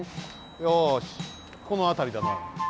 よしこのあたりだな。